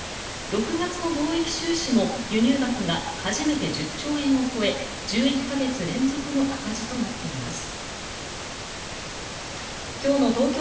６月の貿易収支も輸入額が初めて１０兆円を超え１１か月連続の赤字となっています。